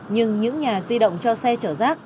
nhưng những nhà di động cho xe chở rác